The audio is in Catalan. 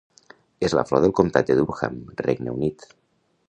És la flor del comtat de Durham, Regne Unit.